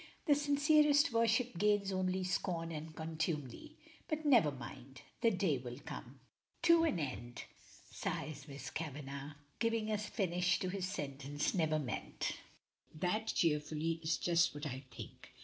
"The sincerest worship gains only scorn and contumely. But never mind! the day will come! " "To an end," says Miss Kavanagh, giving a finish to his sentence never meant. "That," cheerfully, "is just what I think.